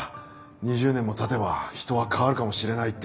２０年も経てば人は変わるかもしれないって。